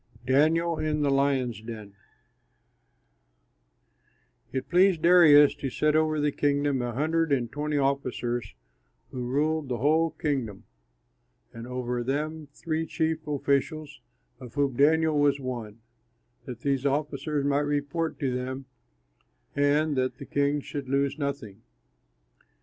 DANIEL IN THE LIONS' DEN It pleased Darius to set over the kingdom a hundred and twenty officers who ruled the whole kingdom, and over them three chief officials, of whom Daniel was one, that these officers might report to them and that the king should lose nothing.